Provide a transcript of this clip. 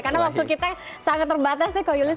karena waktu kita sangat terbatas nih kak yulis